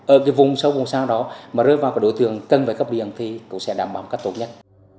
ở vùng sâu vùng xa đó mà rơi vào đội thường cân với cấp điện thì cũng sẽ đảm bảo cách tốt nhất